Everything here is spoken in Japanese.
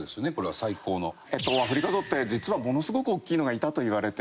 アフリカゾウって実はものすごく大きいのがいたといわれていて。